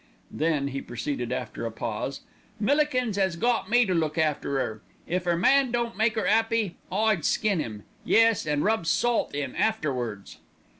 Then," he proceeded after a pause, "Millikins 'as got me to look after 'er. If 'er man didn't make 'er 'appy, I'd skin 'im; yes, and rub salt in afterwards."